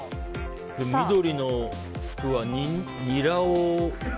緑の服はニラを。